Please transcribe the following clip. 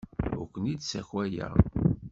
Ur ken-id-ssakayeɣ.